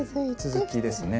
続きですね。